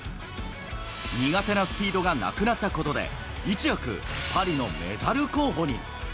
苦手なスピードがなくなったことで、一躍パリのメダル候補に。